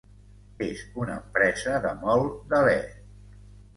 És una empresa de molt d'alè.